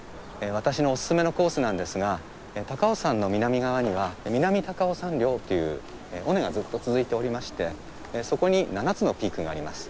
私のオススメのコースなんですが高尾山の南側には南高尾山稜という尾根がずっと続いておりましてそこに７つのピークがあります。